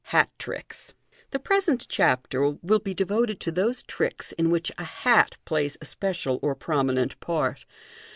Hat Tricks. Thi present Chapter will be devoted to those tricks in which a hat plays a special or prominent part.